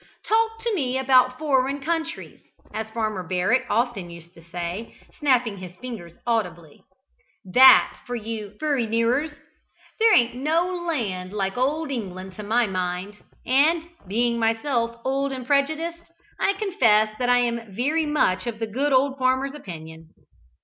"Talk to me about foreign countries," as Farmer Barrett often used to say, snapping his fingers audibly, "that for your furrineerers; there an't no land like old England, to my mind;" and, being myself old and prejudiced, I confess that I am very much of the good old farmer's opinion.